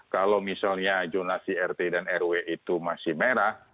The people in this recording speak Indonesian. kalau misalnya jonasi rt dan rw itu masih merah